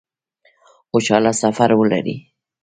خوشحاله سفر ولري